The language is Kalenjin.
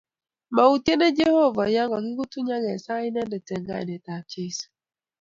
Mautienech Jeohova ye kikutuny akesaa Inendet eng kainetab Jeso